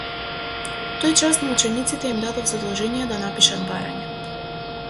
Тој час на учениците им дадов задолжение да напишат барање.